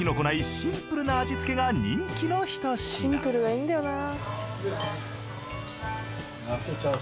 シンプルがいいんだよなぁ。